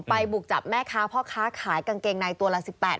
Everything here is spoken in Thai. บุกจับแม่ค้าพ่อค้าขายกางเกงในตัวละ๑๘บาท